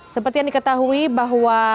seperti yang diketahui bahwa